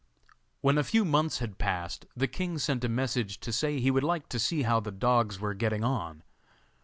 When a few months had passed the king sent a message to say he would like to see how the dogs were getting on.